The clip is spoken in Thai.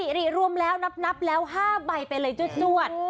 ริรวมแล้วนับแล้ว๕ใบไปเลยจวด